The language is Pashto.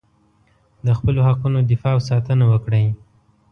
د خپلو حقونو دفاع او ساتنه وکړئ.